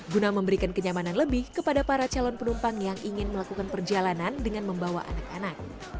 guna memberikan kenyamanan lebih kepada para calon penumpang yang ingin melakukan perjalanan dengan membawa anak anak